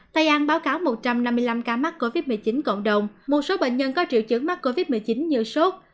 tây an báo cáo một trăm năm mươi năm ca mắc covid một mươi chín cộng đồng một số bệnh nhân có triệu chứng mắc covid một mươi chín như sốt